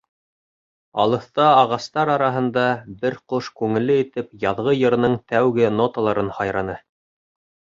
Алыҫта, ағастар араһында, бер ҡош күңелле итеп яҙғы йырының тәүге ноталарын һайраны.